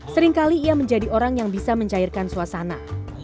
seringkali ia menjadi orang yang bisa mencairkan suasana